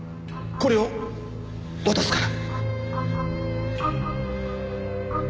これを渡すから。